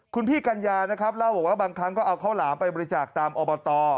คุณพี่กัญญานะครับเล่าบอกว่าบางครั้งก็เอาข้าวหลามไปบริจาคตามอบต